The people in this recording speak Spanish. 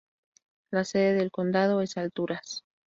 La sede del condado es Alturas.